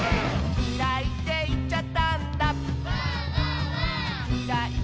「きらいっていっちゃったんだ」